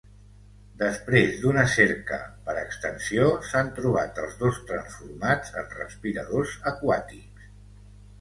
Després d'una cerca per extensió, s'han trobat els dos transformats en respiradors aquàtics.